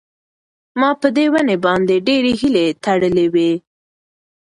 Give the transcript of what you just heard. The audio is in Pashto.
ما په دې ونې باندې ډېرې هیلې تړلې وې.